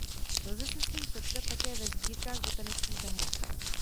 Lze se s ním setkat také ve sbírkách botanických zahrad.